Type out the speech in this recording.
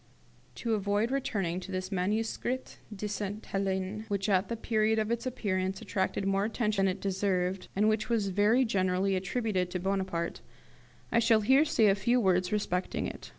To avoid returning to this 'Manuscrit de Sainte Helene', which at the period of its appearance attracted more attention than it deserved, and which was very generally attributed to Bonaparte, I shall here say a few words respecting it.